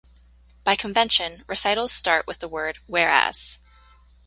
By convention, recitals start with the word "Whereas".